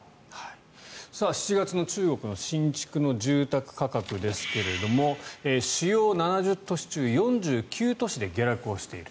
７月の中国の新築住宅価格ですが主要７０都市中４９都市で下落をしている。